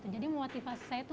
jadi motivasi saya itu